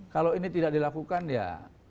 kalau ini tidak dilakukan ya